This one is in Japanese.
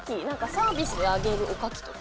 サービスであげるおかきとか。